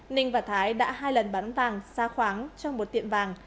ninh và thái đã hai lần bán vàng xa khoáng trong một tiện vàng